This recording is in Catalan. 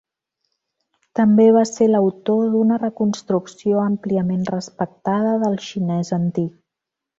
També va ser l'autor d'una reconstrucció àmpliament respectada del xinès antic.